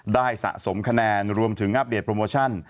ได้สะสมคะแนนรวมถึงงับเด็ดโปรโมชั่น